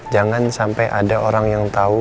jangan sampai ada orang yang tahu